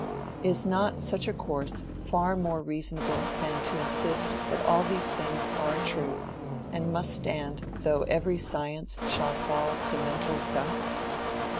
Is not such a course far more reasonable than to insist that all these things are true and must stand though every science shall fall to mental dust?